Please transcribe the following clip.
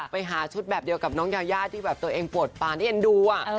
ไปหาชุดแบบเดียวกับน้องยายาที่แบบตัวเองปวดปานที่เอ็นดู